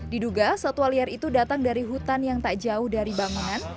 diduga satwa liar itu datang dari hutan yang tak jauh dari bangunan